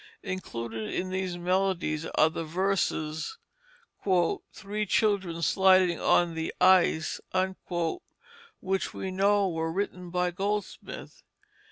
Included in these melodies are the verses "Three children sliding on the ice," which we know were written by Goldsmith.